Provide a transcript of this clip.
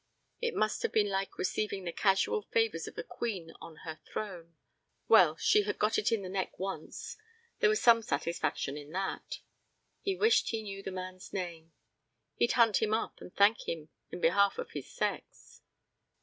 It must have been like receiving the casual favors of a queen on her throne. Well, she had got it in the neck once; there was some satisfaction in that. He wished he knew the man's name. He'd hunt him up and thank him in behalf of his sex.